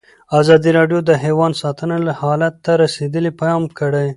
ازادي راډیو د حیوان ساتنه حالت ته رسېدلي پام کړی.